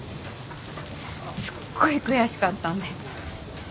すっごい悔しかったんで。